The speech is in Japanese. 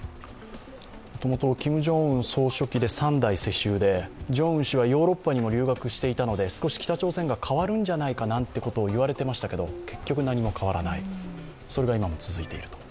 もともとキム・ジョンウン総書記で３代世襲でジョンウン氏はヨーロッパにも留学していたので北朝鮮が変わるんじゃないかと言われていましたけど結局、何も変わらないそれが今も続いている。